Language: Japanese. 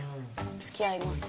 付き合います。